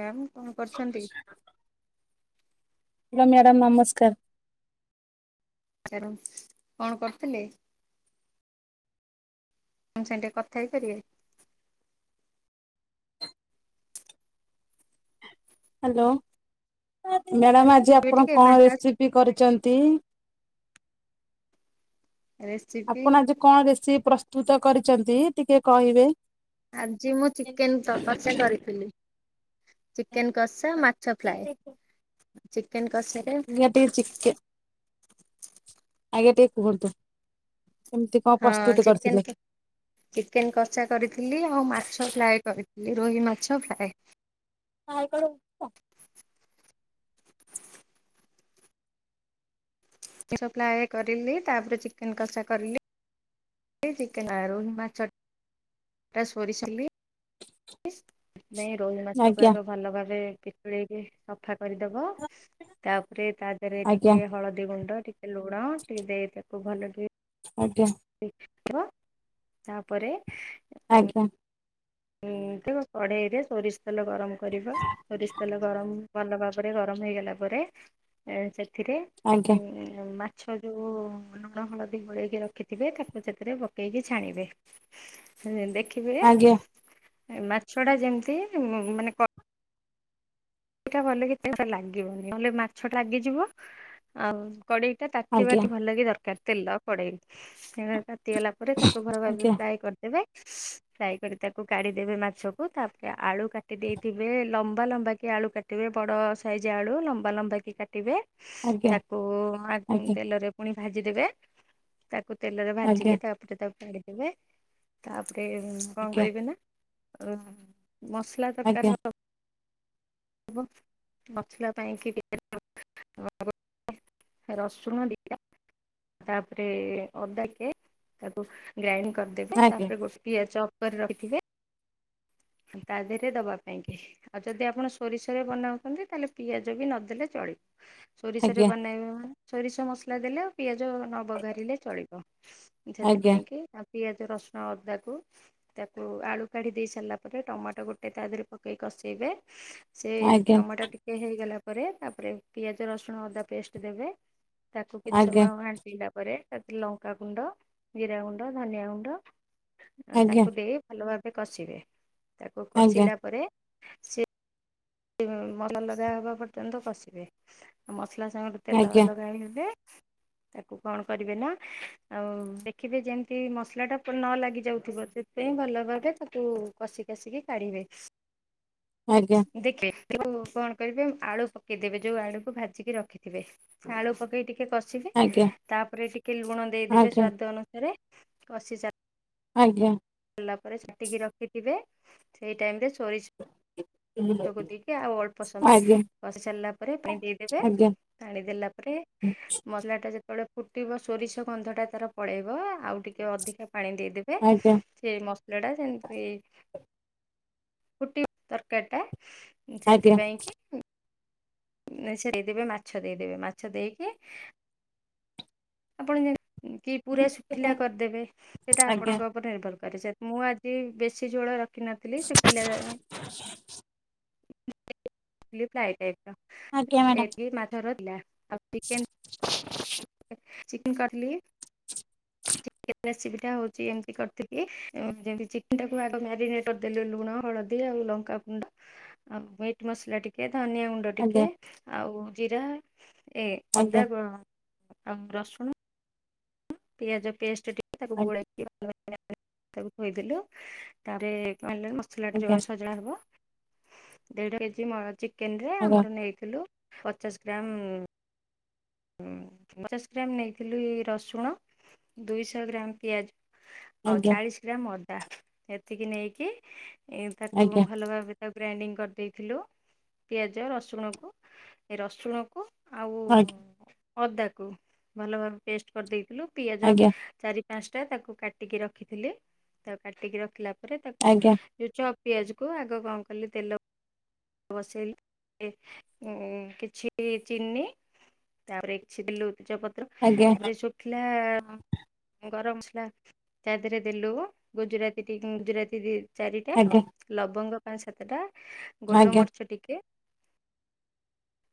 Ma'am କଣ କରୁଛନ୍ତି? Hello madam ନମସ୍କାର। [unintelligible] କଣ କରୁଥିଲେ? ମୋ ସାଙ୍ଗରେ କଥା ହେଇ ପାରିବେ? ହ୍ୟାଲୋ। ମ୍ୟାଡ଼ାମ୍ ଆଜି ଏବେ ଆପଣ ଟିକେ କଣ ଫାଙ୍କା ରେସିପି କରିଛନ୍ତି? ଅଛି ରେସିପି ଆପଣ ଆଜି କଣ ରେସିପି ପ୍ରସ୍ତୁତ କରିଛନ୍ତି ଟିକେ କହିବେ। ଆଜି ମୁଁ ଚିକେନ୍ [unintelligible] କରିଥିଲି। ଆଜ୍ଞା ଚିକେନ କଷା, ମାଛ ଟିକେ ଫ୍ରାଏ। ଚିକେନ୍ କସେ ଇଆଡେ ଟିକେ ଚିକେନ୍ ଆଜ୍ଞା ଟିକେ କୁହନ୍ତୁ। କେମତି କଣ ପ୍ରସ୍ତୁତ କରିଥିଲେ? ଚିକେନ୍ କସା କରିଥିଲି ଆଉ ମାଛ ଫ୍ରାଏ କରିଥିଲି, ରୋହି ମାଛ ଫ୍ରାଏ। [unintelligible] [inaudible] ମାଛ ଫ୍ରାଏ କରିଲି ତାପରେ ଚିକେନ୍ କଷା କରିଲି। [unintelligible] ନାଇଁ ରୋହି ମାଛକୁ ଆଜ୍ଞା ଆଗ ଭଲ ଭାବେ ପିଚୁଳେଇକି ସଫା କରିଦବ। ତାପରେ ତା ଦେହରେ ଆଜ୍ଞା ଟିକେ ହଳଦୀ ଗୁଣ୍ଡ ଟି ଲୁଣ ଟିକେ ଦେଇ ତାକୁ ଭଲ ଟିକେ ଆଜ୍ଞା। [unintelligible] ତାପରେ ଆଜ୍ଞା। କଢ଼େଇରେ ସୋରିଷ ତେଲ ଗରମ କରିବ। ସୋରିଷ ତେଲ ଗରମ ଭଲ ଭାବରେ ଗରମ ହେଇଗଲା ପରେ ଏ ସେଥିରେ ଆଜ୍ଞା ମା ମାଛ ଯୋଉ ଲୁଣ ହଳଦୀ ଗୋଳେଇକି ରଖିଥିବେ ତାକୁ ସେଥିରେ ପକେଇକି ଛାଣିବେ। ଦେଖିବେ ଆଜ୍ଞା ମାଛ ଟା ଯେମିତି ମାନେ ସେଟା ଭଲ [unintelligible] ଲାଗିବନି ନହେଲେ ମାଛ ଲାଗିଯିବ ଆଉ କଡ଼େଇଟା ତାତିିବା ଆଜ୍ଞା ଟି ଭଲକି ଦରକାର। ତେଲ କଡ଼େଇ [unintelligible] ତାତିଗଲା ପରେ ତାକୁ ଭଲ ଭାବେ ଫ୍ରାଏ କରିଦେବେ। ଫ୍ରାଏ କରି ତାକୁ କାଢିଦେବେ ମାଛ କୁ। ତାପରେ ଆଳୁ କାଟି ଦେଇଥିବେ ଲମ୍ବା ଲମ୍ବା କି ଆଳୁ କାଟିବେ ବଡ଼ ସାଇଜ୍ ଆଳୁ ଲମ୍ବା ଲମ୍ବା କି କାଟିବେ। ଆଜ୍ଞା ତାକୁ ଆଜ୍ଞା ଆଜ୍ଞା ତେଲରେ ପୁଣି ଭାଜିଦେବେ। ତାକୁ ତେଲରେ ଆଜ୍ଞା ଭାଜିକି ଆଜ୍ଞା ତାପରେ ତାକୁ କାଢ଼ିଦେବେ। ତାପରେ କଣ କହିବି ନା ଆ ମସଲା ତରକାରୀର ହବ ମସଲା ପାଇଁକି [unintelligible] ରସୁଣ ଦିଟା, ତାପରେ ଅଦା ଟିକେ ତାକୁ ଗ୍ରାଇଣ୍ଡ କରିଦେବେ ତାପରେ ଗୋଟେ ପିଆଜ ଚପ କରି ରଖିଥିବେ। ତା ଦେହରେ ଦବା ପାଇଁ କି। ଆଉ ଯଦି ଆପଣ ସୋରିଷରେ ବନାଉଛନ୍ତି ତାହେଲେ ପିଆଜ ବି ନଦେଲେ ଚଳିବ। ସୋରିଷରେ ଆଜ୍ଞା ଆଜ୍ଞା ଆଜ୍ଞା ବନେଇବା ସୋରିଷ ମସଲା ଦେଲେ ଆଉ ପିଆଜ ନ ବଘାରିଲେ ଚଳିବ। ଆଜ୍ଞା ଆଜ୍ଞା ଆଜ୍ଞା ଆଜ୍ଞା ସେଥିପାଇଁ କି ଆଉ ପିଆଜ ରସୁଣ ଅଦାକୁ ତାକୁ ଆଳୁ କାଢି ଦେଇ ସାରିଲା ତାପରେ ଟମାଟୋ ଗୋଟେ ତା ଦେହରେ ପକେଇ କଷେଇବେ ସେ ଟମାଟୋ ଟି କେ ହେଇଗଲା ପରେ ତାପରେ ପିଆଜ, ରସୁଣ, ଅଦା ପେଷ୍ଟ ଦେବେ ତାକୁ କିଛି ସମୟ ଘା ଣ୍ଟିଲା ପରେ ତାପରେ ଲଙ୍କାଗୁଣ୍ଡ, ଜିରା ଗୁଣ୍ଡ, ଧନିଆ ଗୁଣ୍ଡ ତାକୁ ଦେଇ ଭଲ ଭାବେ କଷିବେ, ତାକୁ ଆଜ୍ଞା କଷିଲା ପରେ ମନଲଗା ହେବା ପର୍ଯ୍ୟନ୍ତ କଶିବେ। ମସଲା ସାଙ୍ଗରେ ତେଲ ଆଜ୍ଞା ଆଲଗା ହେଇଗଲେ ତାକୁ କଣ କରିବେ ନା ଆଉ ଦେଖିବେ ଯେମିତି ମସଲା ଟା ନ ଲାଗି ଯାଉଥିବ। ପାଇଁ ଭଲ ଭାବେ ତାକୁ କଷି କାଷିକି କାଢିବେ। ଆଜ୍ଞା। ଦେଖେ ଯଉ କଣ କରିବେ ଆଳୁ ପକେଇଦେବେ ଯୋଉ ଆଳୁକୁ ଭାଜିକି ରଖିଥିବେ। ଆଳୁ ପକେଇ ଟିକ ଟିକେ କଷିବେ ଆଜ୍ଞା ତାପରେ ଟିକେ ଲୁଣ ଦେଇଦେବେ ଆଜ୍ଞା ସ୍ଵାଦ ଅନୁସାରେ କଷି ଚା ଆଜ୍ଞା। ଲା ପରେ ଚାଟିକି ରଖିଥିବେ ସେଇ ଟାଇମରେ ସୋରି ଷକୁ ଟିକେ ଆଉ ଅଳ୍ପ ସମୟ ଆଜ୍ଞା କଷି ସାରିଲା ପରେ ପାଣି ଦେଇଦେବେ। ଆଜ୍ଞା ପାଣି ଦେଲା ପରେ ମସଲା ଟା ଯେତେବେଳେ ଫୁଟିବ ସୋରିଷ ଗନ୍ଧ ଟା ତାର ପଳେଇବ ଆଉ ଟିକେ ଅଧିକା ପାଣି ଦେଇଦେ ଆଜ୍ଞା। ସେ ମସଲା ଟା ସେମିତି ଫୁଟି ତରକାରୀଟା ଆଜ୍ଞା ସେଥିପାଇଁ କିି ସେ ଦେଇଦେବେ ମାଛ ଦେଇଦେବେ ମାଛ ଦେଇକି ଆପଣ ଯେମ କି ପୁରା ଶୁଖିଲା କରିଦେବେ ସେଟା ଆପଣଙ୍କ ଉପରେ ନିର୍ଭର କରେ, ସେ ମୁଁ ଆଜି ବେଶି ଝୋଳ ରଖିନଥିଲି ଶୁଖିଲା ଫ୍ରାଏ ଟାଇପର ଆଜ୍ଞା ଆଜ୍ଞା ମ୍ୟାଡ଼ାମ ଏକ ମାଛ ରହିଲା ଆଉ ଚିକେନ୍ ଚିକେନ କଟଲି ଏ ରେସିପି ଟା ହଉଛି ଏମିତି କରିିଥିଲି ଯେମିତି ଚିକେନଟାକୁ ଆଗ ମାରିନେଟ କରିଦେଲି ଲୁଣ, ହଳଦୀ ଆଉ ଲ କା ଗୁଣ୍ଡ ଆଉ ମିଟ୍ ମସଲା ଟିକେ, ଧନିଆ ଗୁ ଡ ଟିକେ ଆଜ୍ଞା ଆଉ ଜିରା ଏ ଆଜ୍ଞା ଅଦା ଗ ଆଉ ରସୁଣ ପିଆଜ ପେଷ୍ଟ ଟିକେ ତାକୁ ଗୋଳେଇ ତାକୁ ଧୋଇ ଦେଲୁ ତାପରେ କ ସିଲଟ ଆଜ୍ଞା ଯୋଳେ ସଜଡା ହବ, ଦେଢ କେଜି ଚିକେନ ରେ ଆମର ଥିଲୁ ପଚାଶ ଗ୍ରାମ ପଚାଶ ଗ୍ରାମ ନେଇଥିଲୁ ଏ ରସୁଣ ଦୁଇଶହ ଗ୍ରାମ ପିଆଜ ଆଉ ଚାଳିଶ ଗ୍ରାମ ଅଦା ଏତିକି ନେଇକି ତାକୁ ଆଜ୍ଞା ଭଲ ଭାବେ ଆଉ ଗ୍ରାଇଣ୍ଡିଙ୍ଗ କରିଦେଇଥିଲୁ ପିଆଜ ରସୁଣକୁ ଏ ରସୁଣକୁ ଆଉ ଆଜ୍ଞା ଆଜ୍ଞା ଅଦାକୁ ଭଲ ଭାବେ ପେଷ୍ଟ କରିଦେଇଥିଲୁ ପିଆଜ ଆଜ୍ଞା ଚାରି ପାଞ୍ଚ ଟା ତାକୁ କାଟିକି ରଖିଥିଲି ତା କାଟିକି ରଖିଲା ପରେ ଆଜ୍ଞା ଆଜ୍ଞା ତାକୁ ଆଜ୍ଞା ଯୋଉ ଛଅ ପିଆଜ କୁ ଆଗ କଣ କଲି ତେଲ ବସେଇଲି କିଛି ଚିନି ତାପରେ ଏକଛିିଲୁ ତେଜ ପତ୍ର ତାପରେ ଶୁଖିଲା ଗରମ ମସଲା ତା ଦେହରେ ଦେଲୁ ଗୁଜୁରାତି ଟି ଗୁଜୁରାତି ତି ଚାରିଟା ଲବଙ୍ଗ ପାଞ୍ଚ ସାତଟା ଆଜ୍ଞା ଗୋଲମରିଚ ଟିକେ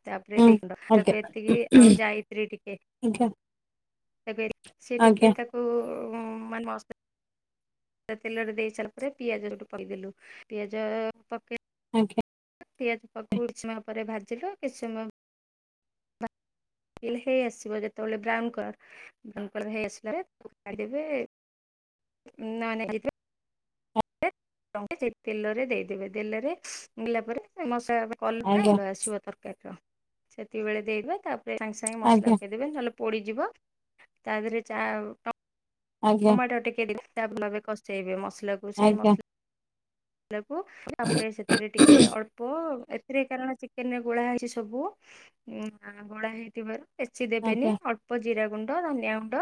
ତାପରେ ହୁଁ ନେଇ ଆଜ୍ଞା ତାକୁ ଏତିକି ଆଉ ଯାଇ [unintelligible] ଟିକେ ସେ ଆଜ୍ଞା ଆଜ୍ଞା ଟିକେ ତାକୁ ମାନେ ମସ୍ ତେଲରେ ଦେଇ ସାରିଲା ପରେ ପିଆଜ ଗୋଟେ ପକେଇଦେଲୁ ପିଆଜ ପକେ ଆଜ୍ଞା। ପିଆଜ ପାଖକୁ କିଛି ସମୟ ପରେ ଭାଜିଲୁ କିଛି ସମୟ [unintelligible] ହେଇ ଆସିବ ଯେତେବେଳେ ବ୍ରାଉନ୍ କଲର୍ ବ କଲର ହେଇ ଆସିଲା [unintelligible] ନା ନାଇ ଏ ସେ ତେଲରେ ଦେଇଦେବେ ତେଲରେ ଦେଲା ପରେ ମସ କଲଟା ଆଜ୍ଞା ଭଲ ଆସିବ ତରକାରୀ। ସେତିକିବେଳେ ଦେଇଦବା ତାପରେ ସାଙ୍ଗେ ସାଙ୍ଗେ ମସଲା ଆଜ୍ଞା ଆଜ୍ଞା ପକେଇଦବେ ନହେଲେ ପୋଡ଼ଯିବ ତା ଦେହରେ ଆଜ୍ଞା ଆଜ୍ଞା ଟମାଟୋ ଟିକେ [unintelligible] ଭଲ ଭାବେ ସେଇବେ ମସଲା କୁ ସେଇ ମସଲା କୁ ତାପରେ ସେଥିରେ ଟିକେ ଅଳ୍ପ ସେଥିରେ କାରଣ ଚିକେନ ରେ ଗୋଳା ହେଇଛି ସବୁ ଗୋଳା ହେଇଥିବାର ବେଶି ଦେବେନି ଅଳ୍ପ ଜିରା ଗୁଣ୍ଡ ଧନିଆ ଗୁଣ୍ଡ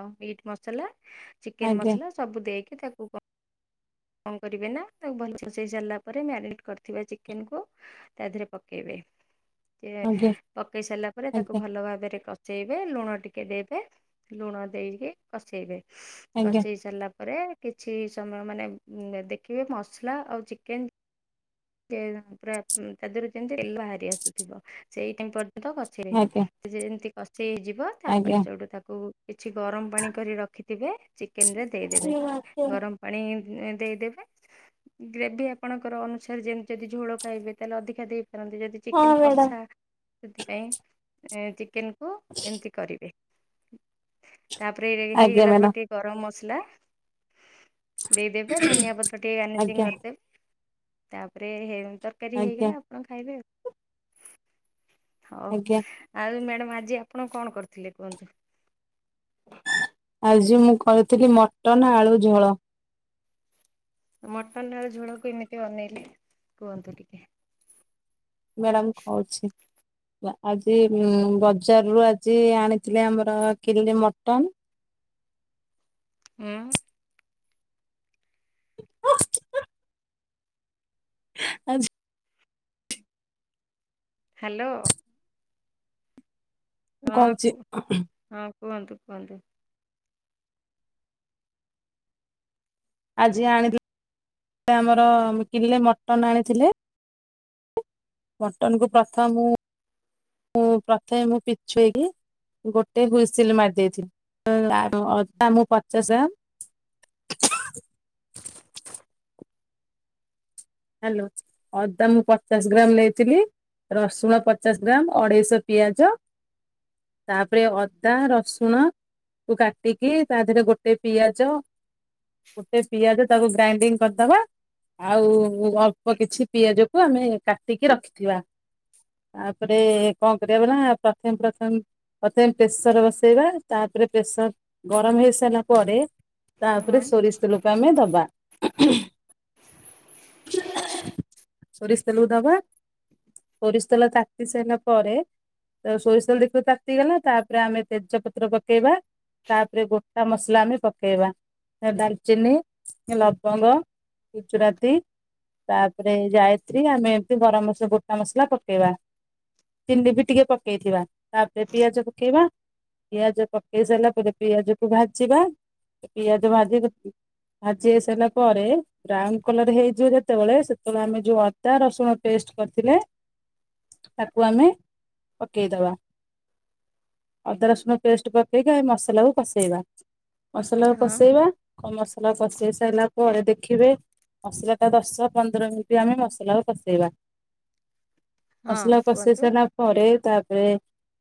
ଆଉ ମିଟ୍ ମସଲା ଚିକେନ ଆଜ୍ଞା ଆଜ୍ଞା ମସଲା ସବୁ ଦେଇକି ତାକୁ କଣ କରିବେ ନା ତାକୁ ଭଲ [unintelligible] ସାରିଲା ପରେ ମ୍ୟାରିନେଟ୍ କରିଥିବା ଚିକେନକୁ ତା ଦେହରେ ପକେଇବେ ଆଜ୍ଞା ପକେଇ ସାରିଲା ପରେ ତାକୁ ଭଲ ଭାବରେ କସେଇବେ ଲୁଣ ଟିକେ ଦେବେ ଲୁଣ ଦେଇକି କଷେଇବେ। ଆଜ୍ଞା ଆଜ୍ଞା କଷେଇ ସାରିଲା ପରେ କିଛି ସମୟ ମାନେ ଦେଖିବେ ମସଲା ଆଉ ଚିକେନ ସେ ପୁରା ତା ଦେହରୁ ଯେମିତି ତେଲ ବାହାରି ଆସୁଥିବ ସେଇ ଟାଇମ୍ ପର୍ଯ୍ୟନ୍ତ କସେଇବେ। ଯେମିତି କଷେଇ ହେଇଯିବ ଆଜ୍ଞା ତାପରେ ଆଜ୍ଞା ସେଉଠୁ ତାକୁ କିଛି ଗରମ ପାଣି କରି ରଖିଥିବେ ଚିକେନ ରେ ଦେଇଦେବେ ଗରମ ପାଣି ଦେଇଦେବେ ଗ୍ରେଭି ଆପଣଙ୍କର ଅନ ସାରେ ଯେମିତି ଯଦି ଝୋଳ ଖାଇବେ ତାହେଲେ ଅଧିକା ଦେଇପାରନ୍ତି ଯଦି ହଁ ଚିକେନ୍ ମ୍ୟାଡ଼ାମ କଷା ସେଥିପାଇଁ ଚିକେନ କୁ ଏମିତି କରିବେ। ତାପରେ ଏଇ ଆଜ୍ଞା ହେଇଗଲା ପରେ ମ୍ୟାଡ଼ାମ ଟିକେ ଗରମ ମସଲା ଦେଇଦେବେ ଧନିଆ ପତ୍ର ଟିକେ ଗାର୍ନିଜିଂ ଆଜ୍ଞା କରିଦେବେ। ତାପରେ ତରକାରୀ ଆଜ୍ଞା ହେଇଗଲା ଆପଣ ଖାଇବେ ଆଉ। ହଉ ଆଜ୍ଞା ଆଉ ମ୍ୟାଡାମ ଆଜି ଆପଣ କଣ କରିଥିଲେ କୁହନ୍ତୁ? ଆଜି ମୁଁ କରିଥିଲି ମଟନ ଆଳୁ ଝୋଳ। ମଟନଳ ଝୋଳକୁ ଏମିତି ବନେଇଲେ କୁହନ୍ତୁ ଟିକେ। ମ୍ୟାଡ଼ାମ ଖାଉଛି। ଆଜି ବଜାର ରୁ ଆଜି ଆଣିଥିଲି ଆମର କିଲେ ମଟନ। ହୁଁ। [inaudible] ଆଜ୍ ହ୍ୟାଲୋ। ମୁଁ ହଁ କହୁଛି କୁ ହଁ କୁହନ୍ତୁ କୁହନ୍ତୁ। ଆଜି ଆଣିଥିଲ ଆମର କିଲେ ମଟନ ଆଣିଥିଲେ। ମଟନ କୁ ପ୍ରଥମ ମୁଁ ମୁଁ ପ୍ରଥମେ ମୁଁ ପିଛୁଇକି ଗୋଟେ ହୁଇସିଲ ମାରି ଦେଇେଇଥିଲି। [unintelligible] ମୁ ପଚାଶ ଗ୍ରାମ ହ୍ୟାଲୋ ଅଦା ମୁଁ ପଚାଶ ଗ୍ରାମ ନେଇଥିଲି। ରସୁଣ ପଚାଶ ଗ୍ରାମ ଅଢେଇଶ ପିଆଜ ତାପରେ ଅଦା ରସୁଣ କୁ କାଟିକି ତା ଦେହରେ ଗୋଟେ ପିଆଜ ଗୋଟେ ପିଆଜ ତାକୁ ଗ୍ରାଇଣ୍ଡିଙ୍ଗ କରିଦବା। ଆଉ ଅଳ୍ପ କିଛି ପିଆଜ କ ଆମେ କାଟିକି ରଖିଥିବା। ତାପରେ କଣ କରିବା ଭଲା ପ୍ରଥମ ପ୍ରଥମ ପ୍ରଥମେ ପ୍ରେସର ବସେଇବା ତାପରେ ପ୍ରେସର ଗରମ ହେଇସାରିଲା ପରେ ତାପରେ ହଁ ସୋରିଷ ତେଲକୁ ଆମେ ଦବା। ସୋରିଲ ତେଲକୁ ଦବା ପୋରିସ ତେଲ ତାତି ସାରିଲା ପରେ ତ ସୋରିଷ ତେଲ ଦେଖିବ ତାତିଗଲା ତାପରେ ଆମେ ତେଜପତ୍ର ପକେଇବା। ତାପରେ ଗୋଟା ମସଲା ଆମେ ପକେଇବା ଡାଲଚିନି ଲବଙ୍ଗ ଗୁଜୁରାତି ତାପରେ ଯାୟତ୍ରି ଆମେ ଏମତି ଗରମ ମସ ଗୋଟା ମସଲା ପକେଇବା। ଚନି ବି ଟିକେ ପକେଇଥିବା ତାପରେ ପିଆଜ ପକେଇବା। ପିଆଜ ପକେଇ ସାରିଲା ପରେ ପିଆଜ କୁ ଭାଜିବା ପିଆଜ ଭାଜି ଭାଜି ହେଇସାରିଲା ପରେ ବ୍ରାଉନ କଲର ହେଇ ଯିବ ଯେତେବେଳେ ସେତେବେଳେ ଆମେ ଯୋଉ ଅଦା ରସୁଣ ପେଷ୍ଟ କରିଥିଲେ ତାକୁ ଆମେ ପକେଇଦବା ଅଦା ରସୁଣ ପେଷ୍ଟ ପକେଇକି ଆମେ ମସଲା କୁ କସେଇବା। ମସଲା ହଁ କଷେଇବା କ ମସଲା କଷେଇ ସାରିଲା ପରେ ଦେଖିବେ ମସଲା ତା ଦଶଟ ପନ୍ଦର ମିନିଟ୍ ଆମେ ମସଲା କଷେଇବା। ହଁ ମସଲା କଷେଇ କୁହନ୍ତୁ ସାରିଲା ପରେ ତାପରେ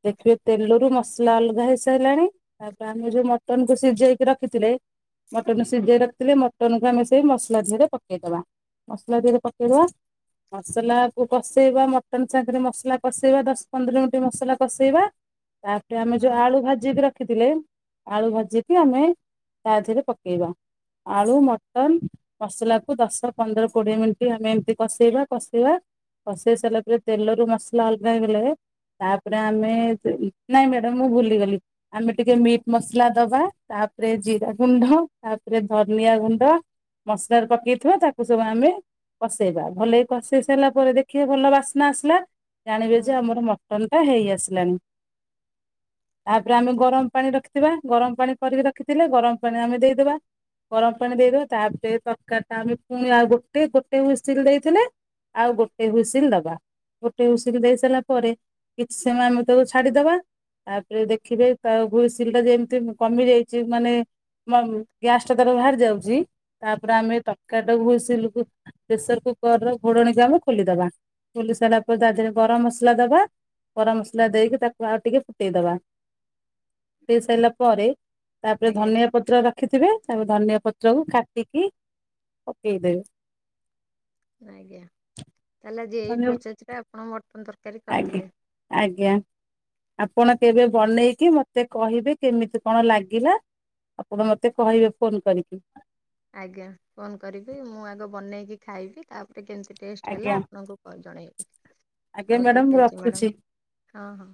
ଦେଖିବେ ତେଲରୁ ମସଲା ଅଲଗା ହେଇସାରିଲାଣି ତାପରେ ଆମେ ଯୋଉ ମଟନକୁ ସିଝେଇକି ରଖିଥିଲେ ମଟନ୍ କୁ ସିଝାଇ ରଖିଥିଲେ ମଟନ୍ କୁ ଆମେ ସେଇ ମସଲା ଧିଅରେ ପକେଇଦବା। ମସଲା ଦିହରେ ପକେଇଦବା ମସଲା କୁ କସେଇବା ମଟନ ସାଙ୍ଗରେ ମସଲା କସେଇବା ଦଶ ପନ୍ଦର ମିନିଟ ମସଲା କସେଇବା। ତାପରେ ଆମେ ଯୋଉ ହଁ ଆଳୁ ଭାଜି ବି ର ଖିଥିଲେ ଆଳୁ ଭାଜିକି ଆମେ ତା ଧିଅରେ ରେ ପକେଇବା। ଆଳୁ ମଟନ୍ ମସଲାକୁ ଦଶ ପନ୍ଦର କୋଡିଏ ମିନିଟ୍ ଆମେ ଏମିତି କସେଇବା କଷେଇବା କସେଇ ସାଲା ପରେରେ ତେଲରୁ ମସଲା ଅଲଗା ହେଇଗଲେ ତାପରେ ଆମେ ନାଇଁ ମ୍ୟାଡାମ ମୁଁ ଭୁଲିଗଲି। ଆମେ ଟିକେ ମିଟ୍ ମସଲା ଦବା ତାପରେ ଜିରା ଗୁଣ୍ଡ ତାପରେ ଧନିଆ ଗୁଣ୍ଡ ମସଲାରେ ପକେଇଥଥିବା ତା କୁ ସବୁ ଆମେ କଷେଇବା ଭଲକି କଷେଇ ସାରିଲା ପରେ ଦେଖିବେ ଭଲ ବାସ୍ନା ଆସିଲା ଜାଣିବେ ହୁଁ ଯେ ଆମର ମଟନ ଟା ହେଇ ଆସିଲାଣି। ତାପରେ ଆମେ ଗରମ ପାଣି ରଖିଥିବା ଗରମ ପାଣି କରିକି ରଖିଥିଲେ ଗରମ ପାଣି ଆମେ ଦେଇଦବା। ଗରମ ପାଣି ଦେଇଦବା ତାପରେ ତରକାରୀଟା ଆମେ ପୁଣି ଆଉ ଗୋଟେ ଗୋଟେ ହୁଇସିଲ୍ ଦେଇଥିଲେ ଆଉ ଗୋଟେ ହୁଇସିଲ୍ ଦବା। ଗୋଟେ ହୁଉସିଲ୍ ଦେଇ ସାରିଲା ପରେ କିଛି ସମୟ ଆମେ ତାକୁ ଛାଡ଼ିଦବା। ଆପରେ ଦେଖିବେ ତା ହୁଇସିଲ୍ ଟା ଯେ ଯେମିତି କମି ଯାଇଚି ମାନେ ମମ୍ ଗ୍ୟାସ୍ ଟା ତାର ଭାର୍ ଯାଉଚି ତାପରେ ହୁଁ ଆମେ ତ କାରୀଟାକୁ ହୁଇସିଲ୍ କୁ ପ୍ରେସର୍ କୁକର୍ ର ଘୋଡ଼ଣୀକି ଆମେ ଖୋଲିଦବା। ଖୋଲି ସାଇଲା ପରେ ତା ଧିଅରେ ଗରମ ମସଲା ଦବା। କରା ମସଲା ଦେଇକି ତାକୁ ଆଉ ଟିକେ ଫୁଟେଇଦବା। ହେଇ ସାଇଲା ପରେ ତାପରେ ଆଜ୍ଞା ଧନିଆ ପ ତ୍ର ରଖିଥିବେ ତାକୁ ଧନିଆ ପତ୍ରକୁ କାଟିକି ପକେଇଦେବେ। ନା ଆଜ୍ଞା ତାହେଲେ ଆଜି ଏଇ ପ୍ରଚେଜ୍ ରେ ଆପଣ ମଟନ୍ ତ ଆଜ୍ଞା ଆଜ୍ଞା। ଆପଣ କେବେ ବନେଇକି ମତେ କହିବେ କେମିତି କଣ ଲାଗିଲା। ଆପଣ ମତେ କହିବେ ଫୋନ୍ କରିକି। ଆଜ୍ଞା ଫୋନ୍ କରିବି ମୁଁ ଆଗ ବନେଇକି ଖାଇବି ତାପରେ କେମତି ଟେଷ୍ଟ ହେଲେ ଆଜ୍ଞା ଆପଣଙ୍କୁ କଲ୍ ଜଣେଇବି। ଆଜ୍ଞା ହଉ ମାଡ଼ାମ ଠିକ୍ ମୁଁ ଅଛି ମ୍ୟାଡ଼ାମ ରଖୁଛି। ହଁ ହଁ।